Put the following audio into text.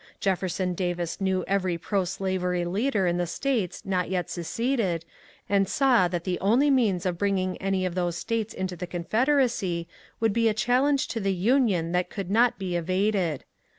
Jefferson Davis knew every proslavery leader in the States not yet seceded, and saw that the only means of bring ing any of those States into the Confederacy would be a challenge to the Union that could not be evaded.